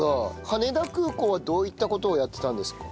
羽田空港はどういった事をやっていたんですか？